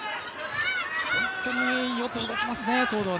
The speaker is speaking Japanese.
本当に東藤はよく動きますね。